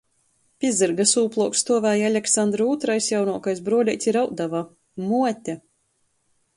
Pi zyrga sūpluok stuovēja Aleksandra ūtrais jaunuokais bruoleits i rauduoja: Muote...